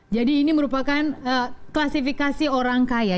jadi ini merupakan klasifikasi orang kaya